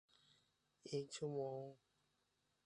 อีกชั่วโมง